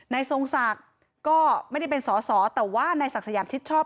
ทรงศักดิ์ก็ไม่ได้เป็นสอสอแต่ว่านายศักดิ์สยามชิดชอบ